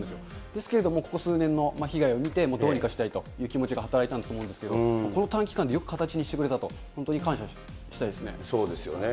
ですけれども、ここ数年の被害を見て、どうにかしたいという気持ちが働いていたと思うんですけれども、この短期間でよく形にしてくれたと、そうですよね。